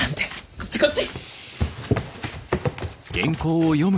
こっちこっち！